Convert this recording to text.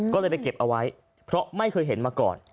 ก็เลยไปเก็บเอาไว้เพราะไม่เคยเห็นมาก่อน